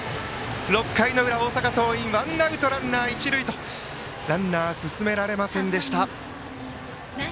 ６回裏、大阪桐蔭ワンアウトランナー、一塁とランナー進められませんでした。